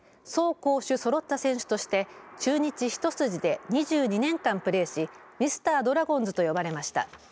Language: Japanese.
攻守そろった選手として中日一筋で、２２年間プレーしミスタードラゴンズと呼ばれました。